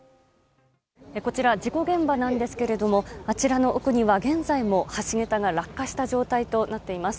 こちら、事故現場なんですがあちらの奥には現在も橋桁が落下した状態となっています。